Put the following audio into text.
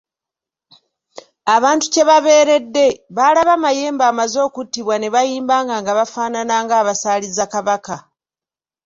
Abantu kye babeeredde, baalaba Mayembe amaze okuttibwa ne bayimbanga nga bafaanana ng'abasaaliza Kabaka.